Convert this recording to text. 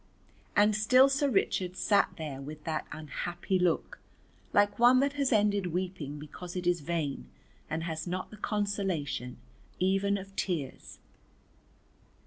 And still Sir Richard sat there with that unhappy look, like one that has ended weeping because it is vain and has not the consolation even of tears.